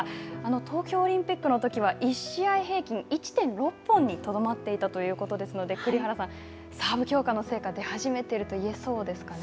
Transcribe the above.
東京オリンピックのときは１試合平均１．６本にとどまっていたということですので、栗原さん、サーブ強化の成果、出始めていると言えそうですかね。